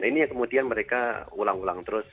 nah ini yang kemudian mereka ulang ulang terus